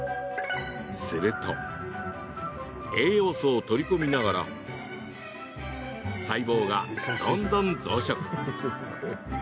すると、栄養素を取り込みながら細胞がどんどん増殖。